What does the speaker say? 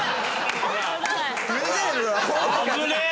危ねえ！